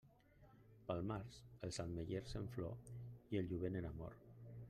Pel març, els ametllers en flor i el jovent en amor.